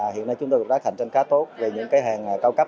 hiện nay chúng tôi đã cạnh tranh khá tốt về những hàng cao cấp